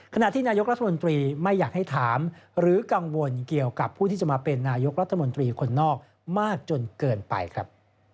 ขณะที่นายกรัฐมนตรีไม่อยากให้ถามหรือกังวลเกี่ยวกับผู้ที่จะมาเป็นนายกรัฐมนตรีคนนอกมากจนเกินไปครับ